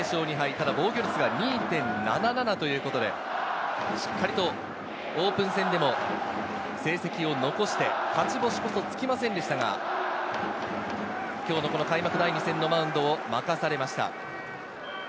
ただ防御率が２．７７ということで、しっかりとオープン戦でも成績を残して、勝ち星こそつきませんでしたが、今日の開幕第２戦のマウンドを任されました。